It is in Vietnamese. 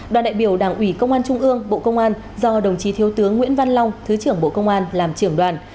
đoàn đại biểu đảng ủy công an trung ương bộ công an do đồng chí thiếu tướng nguyễn văn long thứ trưởng bộ công an làm trưởng đoàn